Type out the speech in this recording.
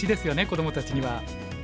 子どもたちには。